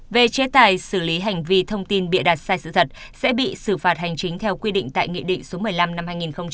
về chế tài xử lý hành vi thông tin bị đạt sai sự thật sẽ bị xử phạt hành chính theo quy định tại nghị định số một mươi năm năm hai nghìn hai mươi